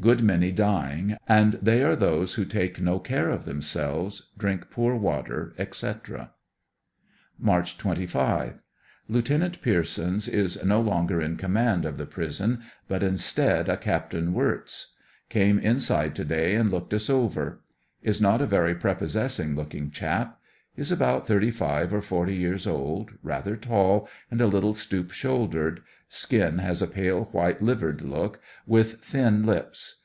Good many dying, and they are those who take no care of themselves, drink poor water, etc. March 25. Lieut. Piersons is no longer in command of the pris on, but instead a Capt. Wirtz. Cifme inside to day and looked us over. Is not a very prepossessing looking chap. Is about thirty five or forty years old, rather tall, and a little stoop shouldered; skin has a pale, white livered look, with thin lips.